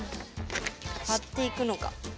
貼っていくのか。